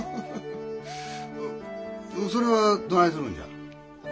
それはどないするんじゃ？